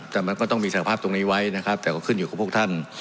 แต่มันก็ต้องมีสารภาพตรงนี้ไว้นะครับแต่ก็ขึ้นอยู่กับพวกท่าน